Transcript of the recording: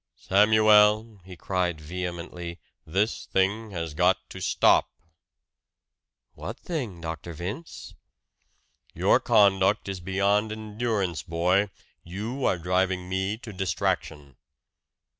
"Samuel," he cried vehemently, "this thing has got to stop!" "What thing, Dr. Vince?" "Your conduct is beyond endurance, boy you are driving me to distraction!"